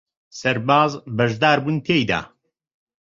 سەرباز بەشدار بوون تێیدا